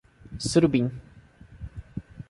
Surubim